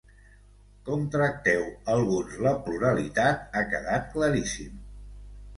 Com tracteu alguns la pluralitat ha quedat claríssim.